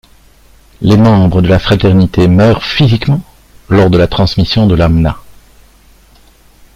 Les membres de la fraternité meurent physiquement lors de la transmission de l'âmna.